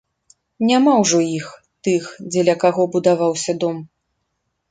Няма ўжо іх, тых, дзеля каго будаваўся дом.